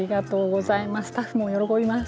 スタッフも喜びます。